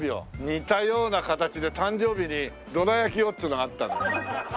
似たような形で誕生日にどら焼きをっていうのがあったんだよ。